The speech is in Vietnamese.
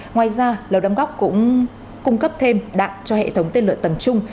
ngoài ra lầu đâm góc cũng cung cấp thêm đạn cho hệ thống tên lửa tầm trung